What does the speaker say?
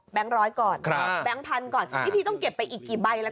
แบงค์ร้อยก่อนครับแบงค์พันธุ์ก่อนอ่าพี่ต้องเก็บไปอีกกี่ใบแล้ว